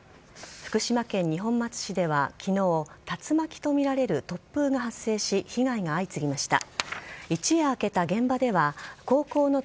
福島県二本松市では昨日竜巻とみられる突風が発生し被害が相次ぎました。